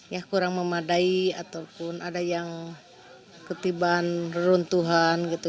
ya kurang memadai ataupun ada yang ketibaan runtuhan gitu